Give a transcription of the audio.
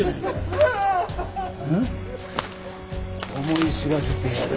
思い知らせてやる。